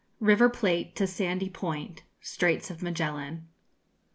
RIVER PLATE TO SANDY POINT, STRAITS OF MAGELLAN.